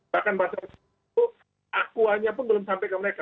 bahkan bahkan akuannya pun belum sampai ke mereka